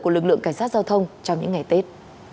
của lực lượng cảnh sát giao thông trong những ngày tết